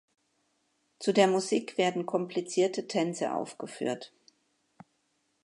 Zu der Musik werden komplizierte Tänze aufgeführt.